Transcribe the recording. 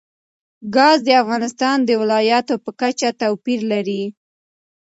ګاز د افغانستان د ولایاتو په کچه توپیر لري.